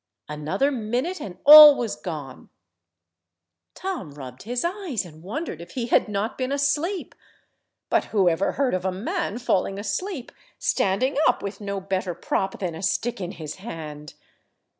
Another minute and all was gone. Tom rubbed his eyes and wondered if he had not been asleep, but who ever heard of a man falling asleep standing up with no better prop than a stick in his hand?